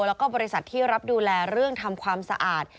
แล้วก็บริษัทที่รับดูแลเรื่องทำความสะอาด